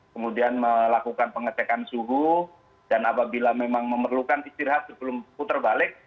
kemudian melakukan pengecekan suhu dan apabila memang memerlukan istirahat sebelum putar balik